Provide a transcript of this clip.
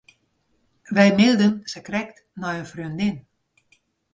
Wy mailden sakrekt nei in freondin.